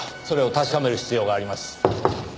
それを確かめる必要があります。